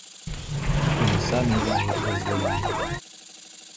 І мы самі яму гэта дазволілі.